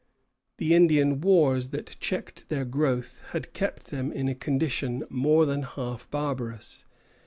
The Indian wars that checked their growth had kept them in a condition more than half barbarous.